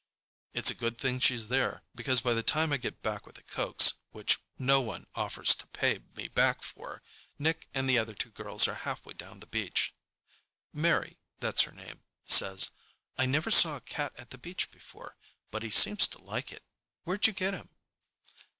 It's a good thing she's there, because by the time I get back with the cokes, which no one offers to pay me back for, Nick and the other two girls are halfway down the beach. Mary—that's her name—says, "I never saw a cat at the beach before, but he seems to like it. Where'd you get him?"